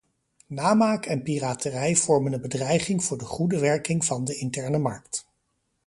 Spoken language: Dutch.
Namaak en piraterij vormen een bedreiging voor de goede werking van de interne markt.